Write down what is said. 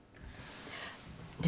で